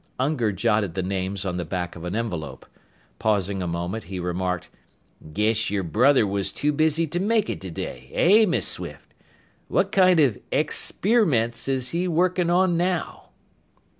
Unger jotted the names on the back of an envelope. Pausing a moment, he remarked, "Guess your brother was too busy to make it today, eh, Miss Swift? What kind of ex spearmints is he working on now?"